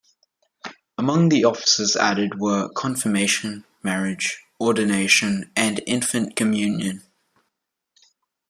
Among the offices added were confirmation, marriage, ordination, and infant communion.